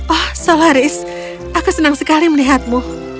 oh solaris aku senang sekali melihatmu